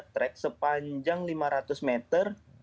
track sepanjang lima ratus meter